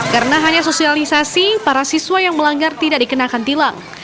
karena hanya sosialisasi para siswa yang melanggar tidak dikenakan tilang